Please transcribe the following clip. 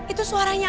aduh isu karnam aku